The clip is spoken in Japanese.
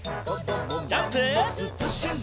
ジャンプ！